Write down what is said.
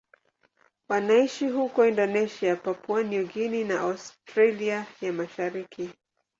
Wanaishi huko Indonesia, Papua New Guinea na Australia ya Mashariki.